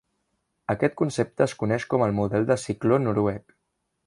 Aquest concepte es coneix com el model de cicló noruec.